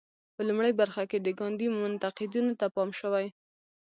په لومړۍ برخه کې د ګاندي منتقدینو ته پام شوی.